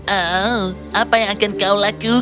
oh apa yang akan kau lakukan